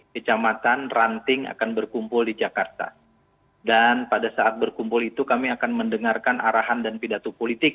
sama allah yang tahu